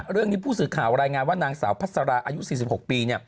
เรื่องนี้ผู้สื่อข่าวรายงานว่านางสาวพัสราอายุ๔๖ปี